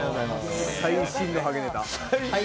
最新のハゲネタ。